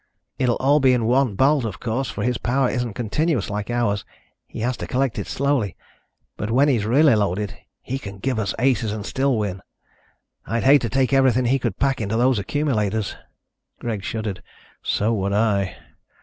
It'll all be in one bolt, of course, for his power isn't continuous like ours. He has to collect it slowly. But when he's really loaded, he can give us aces and still win. I'd hate to take everything he could pack into those accumulators." Greg shuddered. "So would I."